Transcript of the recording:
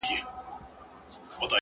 • هغه مه ښوروه ژوند راڅخـه اخلي؛